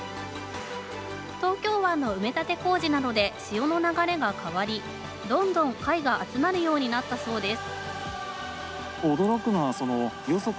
東京湾の埋め立て工事などで潮の流れが変わりどんどん貝が集まるようになったそうです。